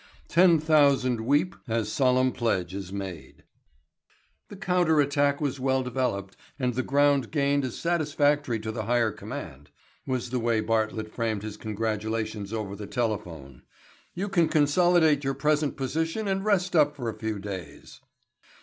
–––– TEN THOUSAND WEEP AS SOLEMN PLEDGE IS MADE –––– "The counter attack was well developed and the ground gained is satisfactory to the higher command," was the way Bartlett framed his congratulations over the telephone. "You can consolidate your present position and rest up for a few days."